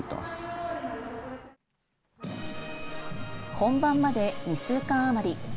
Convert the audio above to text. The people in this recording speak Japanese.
本番まで２週間余り。